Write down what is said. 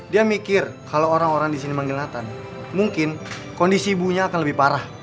dia mikir kalo orang orang disini manggil nathan mungkin kondisi ibunya akan lebih parah